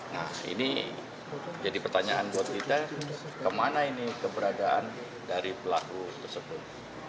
nah ini jadi pertanyaan buat kita kemana ini keberadaan dari pelaku tersebut